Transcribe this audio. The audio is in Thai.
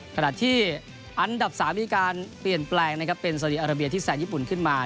ขณะที่อันดับ๓มีการเปลี่ยนแปลงนะครับเป็นซาดีอาราเบียที่แซนญี่ปุ่นขึ้นมา